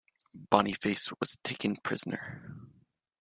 Boniface was taken prisoner.